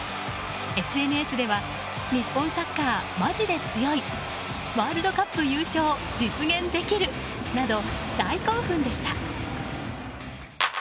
ＳＮＳでは日本サッカーマジで強いワールドカップ優勝実現できるなど大興奮でした。